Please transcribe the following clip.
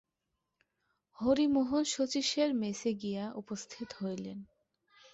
হরিমোহন শচীশের মেসে গিয়া উপস্থিত হইলেন।